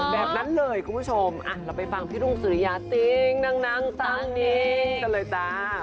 อ๋อแบบนั้นเลยคุณผู้ชมอ่ะเราไปฟังพี่รุงสุริยาติงนางนางตั้งนิง